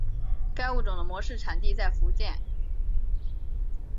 该物种的模式产地在福建。